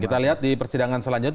kita lihat di persidangan selanjutnya